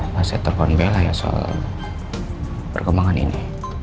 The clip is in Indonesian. masih terpon bella ya soal perkembangan ini